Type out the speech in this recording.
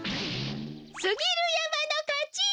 すぎるやまのかち！